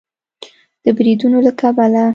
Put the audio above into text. د بریدونو له کبله